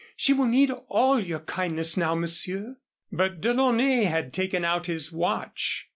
She will need all your kindness now, Monsieur." But DeLaunay had taken out his watch.